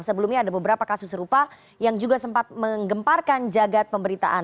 sebelumnya ada beberapa kasus serupa yang juga sempat menggemparkan jagad pemberitaan